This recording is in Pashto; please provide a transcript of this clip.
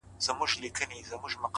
میاشته کېږي بې هویته ـ بې فرهنګ یم ـ